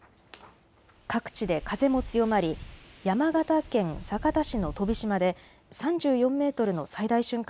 各地で風も強まり山形県酒田市の飛島で３４メートルの最大瞬間